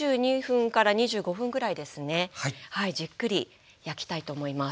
じっくり焼きたいと思います。